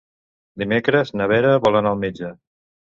Dimecres na Vera vol anar al metge.